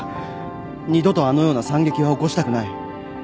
二度とあのような惨劇は起こしたくない